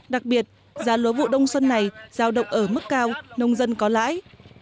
đặc biệt giá lúa vụ đông xuân này giao động ở mức cao nông dân có lãi